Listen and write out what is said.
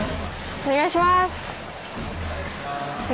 お願いします。